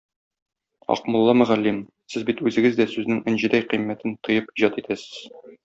Акмулла мөгаллим, сез бит үзегез дә сүзнең энҗедәй кыйммәтен тоеп иҗат итәсез.